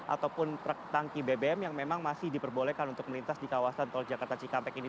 ataupun truk tangki bbm yang memang masih diperbolehkan untuk melintas di kawasan tol jakarta cikampek ini